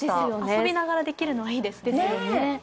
遊びながらできるのはいいですね。